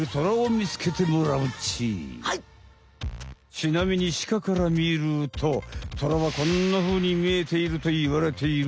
ちなみにシカから見るとトラはこんなふうに見えているといわれている。